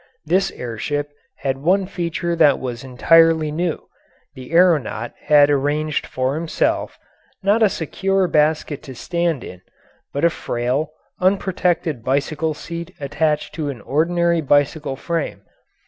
This air ship had one feature that was entirely new; the aeronaut had arranged for himself, not a secure basket to stand in, but a frail, unprotected bicycle seat attached to an ordinary bicycle frame.